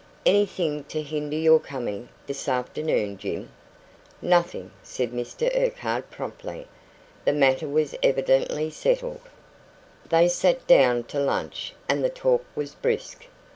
"Anything to hinder your coming this afternoon, Jim?" "Nothing," said Mr Urquhart promptly. The matter was evidently settled. They sat down to lunch, and the talk was brisk.